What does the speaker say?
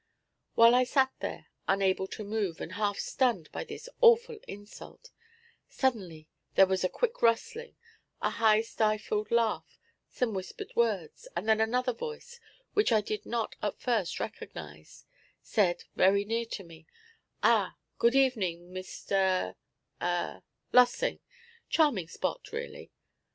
While I sat there, unable to move, and half stunned by this awful insult, suddenly there was a quick rustling, a half stifled laugh, some whispered words, and then another voice which I did not at first recognise, said, very near me, "Ah, good evening, Mr. a Lossing! Charming spot, really."